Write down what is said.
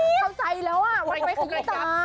ทำใจแล้วอ่ะมันไปขยี้ตา